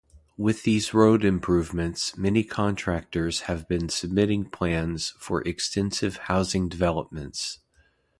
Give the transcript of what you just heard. With these road improvements many contractors have been submitting plans for extensive housing developments.